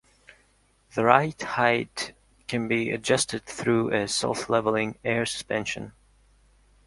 The ride height can be adjusted through a self-leveling air suspension.